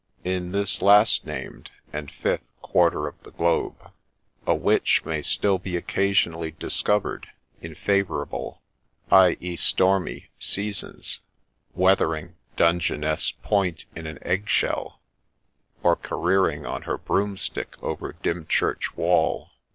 In this last named, and fifth, quarter of the globe, a Witch may still be occasionally discovered in favourable, i. e. stormy, seasons, weathering Dungeness Point in an egg shell, or careering on her broomstick over Dymchurch wall.